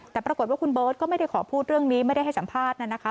แต่ปรากฏว่าคุณเบิร์ตก็ไม่ได้ขอพูดเรื่องนี้ไม่ได้ให้สัมภาษณ์นะคะ